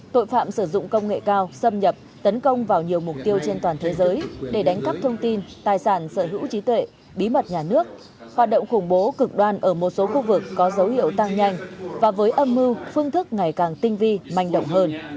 tội phạm sử dụng công nghệ cao xâm nhập tấn công vào nhiều mục tiêu trên toàn thế giới để đánh cắp thông tin tài sản sở hữu trí tuệ bí mật nhà nước hoạt động khủng bố cực đoan ở một số khu vực có dấu hiệu tăng nhanh và với âm mưu phương thức ngày càng tinh vi manh động hơn